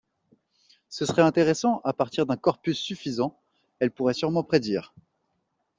Ce serait intéressant, à partir d’un corpus suffisant, elle pourrait sûrement prédire…